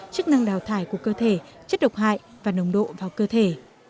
chức năng đào thải của cơ thể chất độc hại và nồng độ vào cơ thể